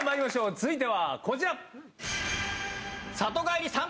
続いてはこちら。